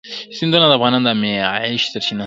سیندونه د افغانانو د معیشت سرچینه ده.